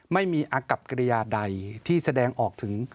ไม่มีอากับกิริยาใดที่แสดงออกถึง